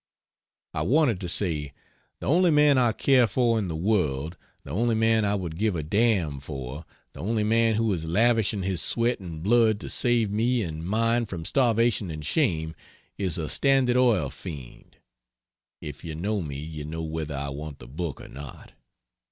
I wanted to say: "The only man I care for in the world; the only man I would give a damn for; the only man who is lavishing his sweat and blood to save me and mine from starvation and shame, is a Standard Oil fiend. If you know me, you know whether I want the book or not."